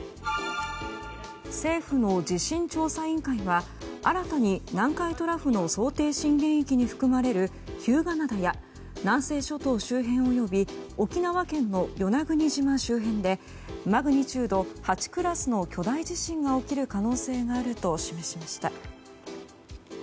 政府の地震調査委員会は新たに南海トラフの想定震源域に含まれる日向灘や南西諸島周辺及び沖縄県の与那国島周辺でマグニチュード８クラスの巨大地震が起きる可能性があると示しました。